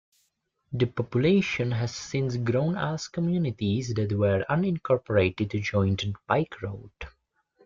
The population has since grown as communities that were unincorporated joined Pike Road.